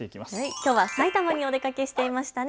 きょうは埼玉にお出かけしていましたね。